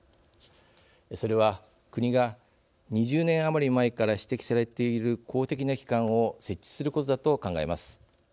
それは国が２０年余り前から指摘されている公的な機関を設置することだと考えます。